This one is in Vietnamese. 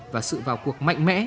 và sự vào cuộc mạnh mẽ